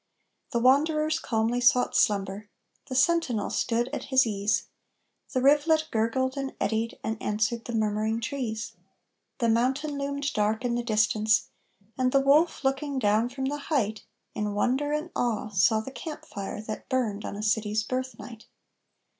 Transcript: The wanderers calmly sought slumber. The sentinel stood at his ease, The rivulet gurgled and eddied, and answered the murmuring trees, The mountain loomed dark in the distance, and the wolf looking down from the height, In wonder and awe, saw the camp fire that burned on a city's birth night.